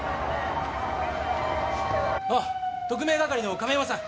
あっ特命係の亀山さん！